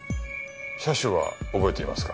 車種は覚えていますか？